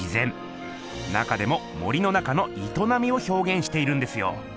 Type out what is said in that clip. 中でも森の中のいとなみをひょうげんしているんですよ。